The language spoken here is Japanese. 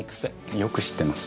よく知ってます。